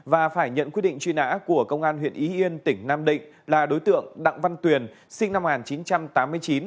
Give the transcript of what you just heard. và phải nhận quyết định truy nã của công an huyện ý yên tỉnh nam định là đối tượng đặng văn tuyền sinh năm một nghìn chín trăm tám mươi chín